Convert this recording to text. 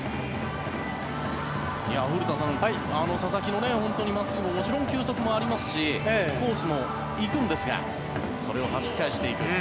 古田さん、佐々木の真っすぐももちろん球速もありますしコースも行くんですがそれをはじき返していく。